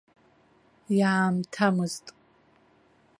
Иаамҭамызт.